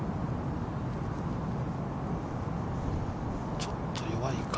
ちょっと弱いか。